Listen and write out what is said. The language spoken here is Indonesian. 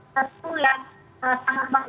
tersebut yang sangat bangga